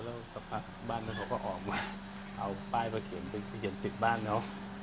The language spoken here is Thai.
แล้วสักพักบ้านหลังนั้นเขาก็ออกมาเอาป้ายไปเขียนปิดบ้านเขา